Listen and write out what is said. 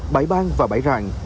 bãi bang và bãi rạng